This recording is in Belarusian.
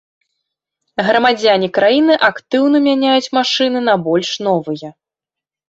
Грамадзяне краіны актыўна мяняюць машыны на больш новыя.